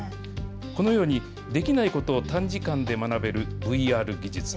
このように、できないことを短時間で学べるＶＲ技術。